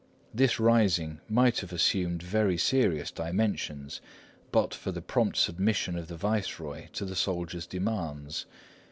This rising might have assumed very serious dimensions, but for the prompt submission of the viceroy to the soldiers' demands.